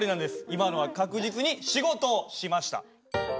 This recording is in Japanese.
今のは確実に仕事をしました。